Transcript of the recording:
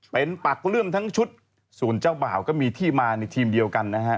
เป็นปักเลื่อมทั้งชุดส่วนเจ้าบ่าวก็มีที่มาในทีมเดียวกันนะฮะ